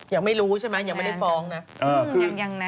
ยังไม่รู้ใช่ไหมยังไม่ได้ฟ้องนะ